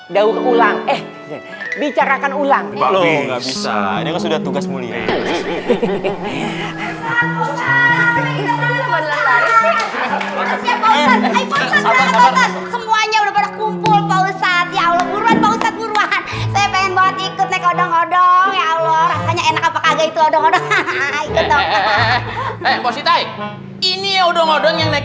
daur pulang eh bicarakan ulang itu sudah tugas mulia